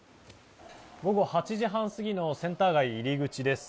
午後８時半過ぎのセンター街入り口です。